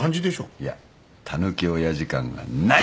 いやたぬき親父感がない。